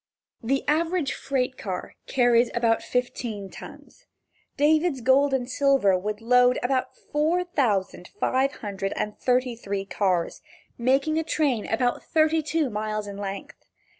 The average freight car carries about fifteen tons David's gold and silver would load about four thousand five hundred and thirty three cars, making a train about thirty two miles in length.